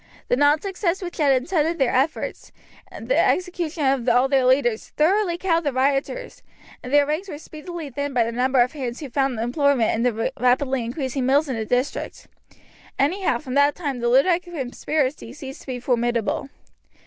The non success which had attended their efforts, and the execution of all their leaders, thoroughly cowed the rioters, and their ranks were speedily thinned by the number of hands who found employment in the rapidly increasing mills in the district. Anyhow from that time the Luddite conspiracy ceased to be formidable.